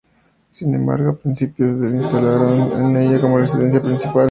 Sin embargo, a principios del se instalaron en ella como residencia principal.